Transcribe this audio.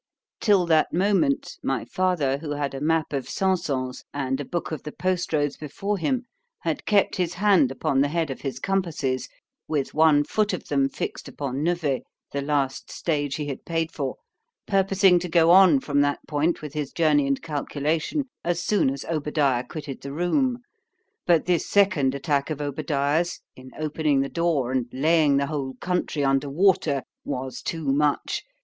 Till that moment, my father, who had a map of Sanson's, and a book of the post roads before him, had kept his hand upon the head of his compasses, with one foot of them fixed upon Nevers, the last stage he had paid for—purposing to go on from that point with his journey and calculation, as soon as Obadiah quitted the room: but this second attack of Obadiah's, in opening the door and laying the whole country under water, was too much.